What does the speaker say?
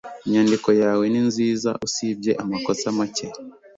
Inyandiko yawe ni nziza usibye amakosa make.